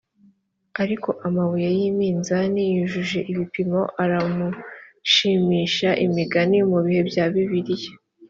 ariko amabuye y iminzani yujuje ibipimo aramushimisha imigani mu bihe bya bibiliya